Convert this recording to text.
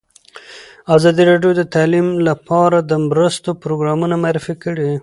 ازادي راډیو د تعلیم لپاره د مرستو پروګرامونه معرفي کړي.